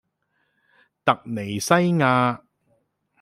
突尼西亞